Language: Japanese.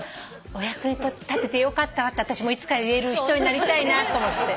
「お役に立ててよかったわ」ってあたしもいつか言える人になりたいなと思って。